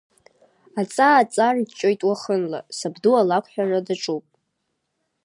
Аҵаа ҵаарыҷҷоит уахынла, сабду алакәҳәара даҿуп.